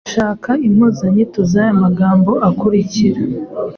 Shaka impuzanyito z’aya amagambo akurikira